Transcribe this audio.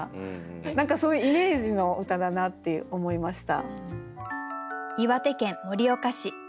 何かそういうイメージの歌だなって思いました。